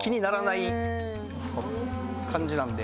感じなんで。